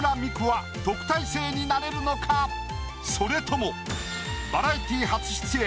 それともバラエティー初出演。